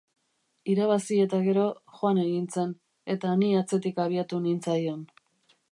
Irabazi eta gero, joan egin zen, eta ni atzetik abiatu nintzaion.